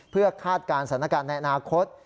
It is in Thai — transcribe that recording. เพื่อคาดการณ์สถานการณ์ในอนาคต